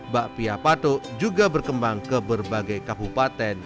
bakpia patok juga berkembang ke berbagai kabupaten